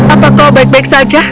apa kau baik baik saja